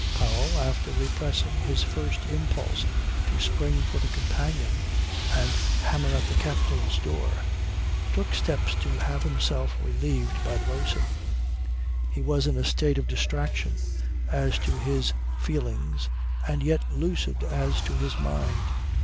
Powell, after repressing his first impulse to spring for the companion and hammer at the captain's door, took steps to have himself relieved by the boatswain. He was in a state of distraction as to his feelings and yet lucid as to his mind.